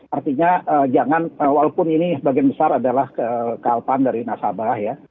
artinya jangan walaupun ini bagian besar adalah kealpan dari nasabah ya